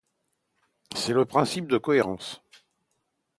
C'est le principe de cohérence.